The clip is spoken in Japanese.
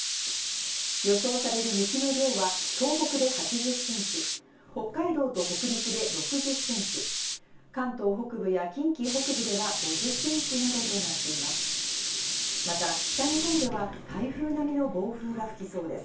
予想される雪の量は東北で８０センチ、北海道と北陸で６０センチ、関東北部や近畿北部では５０センチなどとなっています。